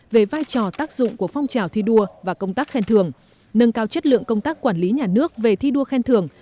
về vai trò tác dụng của phong trào thi đua và công tác khen thưởng nâng cao chất lượng công tác quản lý nhà nước về thi đua khen thưởng